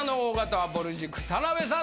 田辺さん。